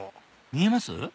見えます？